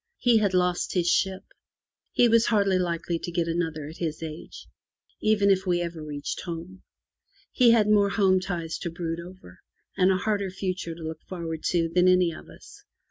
He had lost his ship; he was hardly likely to get another at his age, even if we ever reached home; he had more home ties to brood over, and a harder future to look forward to, than any of us.